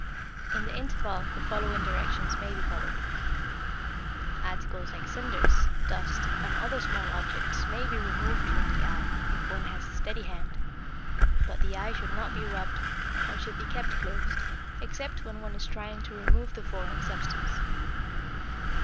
In the interval the following directions may be followed: Articles like cinders, dust, and other small objects may be removed from the eye, if one has a steady hand; but the eye should not be rubbed, and should be kept closed, except when one is trying to remove the foreign substance.